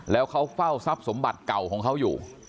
แล้วเขาเฝ้าทรัพย์สมบัติเก่าของเขาอยู่